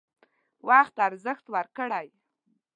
وخت ارزښت ورکړئ